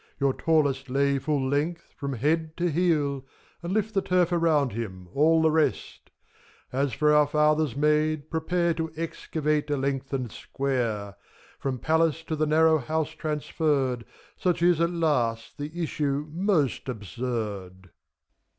Your tallest lay full length, from head to heel, And lift the turf around him, all the rest! As for our fathers made, prepare 240 FAUST. To excavate a lengthened square! From palace to the narrow house transferred, Such is, at last, the issue most absurd.